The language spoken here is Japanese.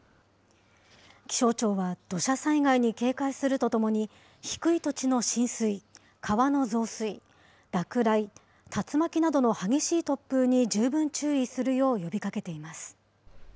気象庁は土砂災害に警戒するとともに、低い土地の浸水、川の増水、落雷、竜巻などの激しい突風に十分注意するよう呼びかけています。